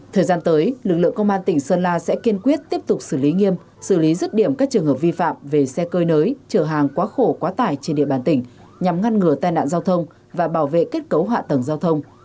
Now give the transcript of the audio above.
thời gian tới lực lượng công an tỉnh sơn la sẽ kiên quyết tiếp tục xử lý nghiêm xử lý rứt điểm các trường hợp vi phạm về xe cơi nới chở hàng quá khổ quá tải trên địa bàn tỉnh nhằm ngăn ngừa tai nạn giao thông và bảo vệ kết cấu hạ tầng giao thông